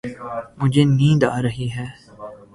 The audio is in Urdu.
مجھے نیند آ رہی ہے